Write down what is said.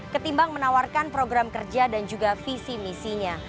ketimbang menawarkan program kerja dan juga visi misinya